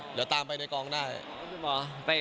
เดี๋ยวตามไปในกองได้